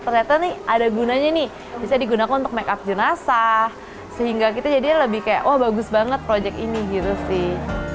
ternyata nih ada gunanya nih bisa digunakan untuk make up jenazah sehingga kita jadinya lebih kayak wah bagus banget project ini gitu sih